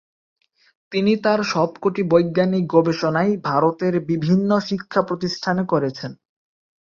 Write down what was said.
তিনি তার সবকটি বৈজ্ঞানিক গবেষণাই ভারতের বিভিন্ন শিক্ষাপ্রতিষ্ঠানে করেছেন।